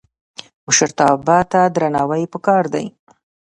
مشرتابه ته درناوی پکار دی